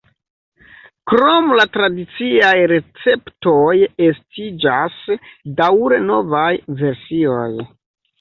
Krom la tradiciaj receptoj estiĝas daŭre novaj versioj.